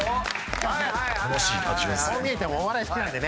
こう見えてもお笑い好きなんでね。